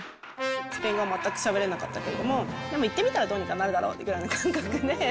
スペイン語、全くしゃべれなかったけれども、でも行ってみたらどうにかなるだろうぐらいの感覚で。